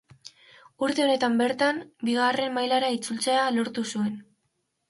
Urte honetan bertan bigarren mailara itzultzea lortu zuen.